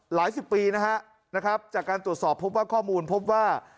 หลายสิบปีนะฮะนะครับจากการตรวจสอบพบว่าข้อมูลพบว่า